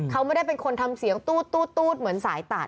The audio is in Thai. เขาไม่ได้เป็นคนทำเสียงตู้ดเหมือนสายตัด